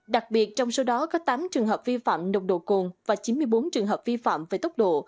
đặc biệt trong số đó có tám trường hợp vi phạm nồng độ cồn và chín mươi bốn trường hợp vi phạm về tốc độ